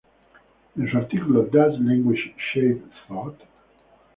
En su artículo "Does Language Shape Thought?